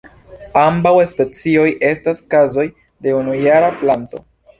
Ambaŭ specioj estas kazoj de unujara planto.